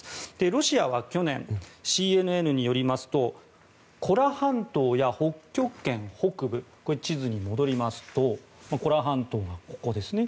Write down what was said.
ロシアは去年ＣＮＮによりますとコラ半島や北極圏北部これ、地図に戻りますとコラ半島がここですね。